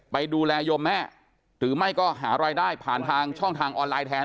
ไปดูแลโยมแม่หรือไม่ก็หารายได้ผ่านทางช่องทางออนไลน์แทน